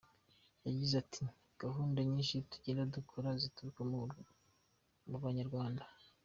Yagize ati “Gahunda nyinshi tugenda dukora zituruka mu Banyarwanda.